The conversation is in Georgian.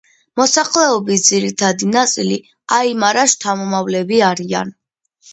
მოსახლეობის ძირითადი ნაწილი აიმარას შთამომავლები არიან.